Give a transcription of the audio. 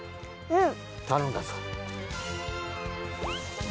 うん。